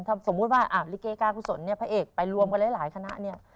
สมมุติว่าลิเก้กล้าลุ่นสนเนียพระเอกไปรวมกันได้หลายคณะเนี่ย